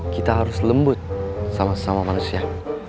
kita harus lembut sama sama manusia